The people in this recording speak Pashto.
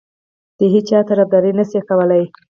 د هیچا طرفداري نه شي کولای.